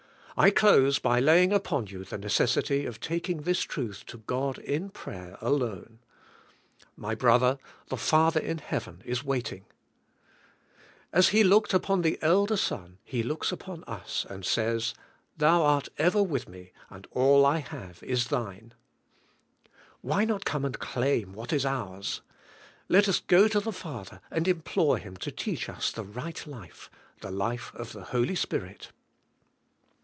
I close by laying upon you the necessity of taking this truth to God in prayer, alone. My brother, the Father in heaven is waiting. As He looked upon the elder son He looks upon us and says, "Thou art ever with Me and all I have is thine." Why not come and claim what is ours? Let us go to the Father and implore Him to teach us the right life, the life of the Holy Spirit.